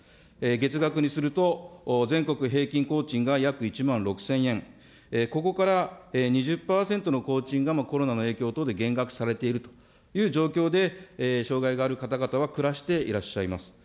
月額にすると、全国平均工賃が約１万６０００円、ここから２０％の工賃が、コロナの影響等で減額されている状況で、障害がある方々は暮らしていらっしゃいます。